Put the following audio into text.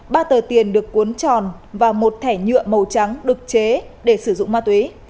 ba tờ tiền được cuốn tròn và một thẻ nhựa màu trắng được chế để sử dụng ma túy